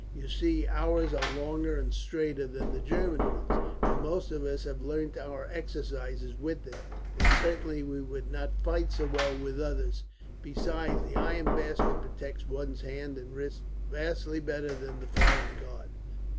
You see, ours are longer and straighter than the German ones, and most of us have learnt our exercises with them, and certainly we would not fight so well with others; besides, the iron basket protects one's hand and wrist vastly better than the foreign guard.